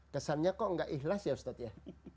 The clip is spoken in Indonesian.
kesannya kok tidak ikhlas ya ustaz ya